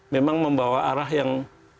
memang membawa arah yang